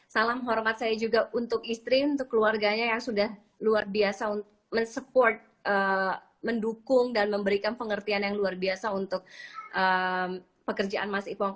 salam hormat saya juga untuk istri untuk keluarganya yang sudah luar biasa untuk mensupport mendukung dan memberikan pengertian yang luar biasa untuk pekerjaan mas ipong